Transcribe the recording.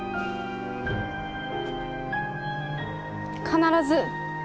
必ず。